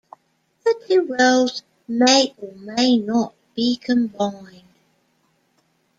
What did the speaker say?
The two roles may or may not be combined.